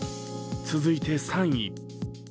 続いて、３位。